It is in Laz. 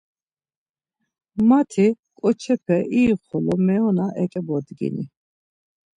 Mati ǩoçepe irixolo meona eǩebodgini.